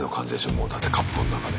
もうだってカプコンの中で。